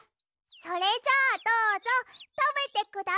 それじゃあどうぞたべてください。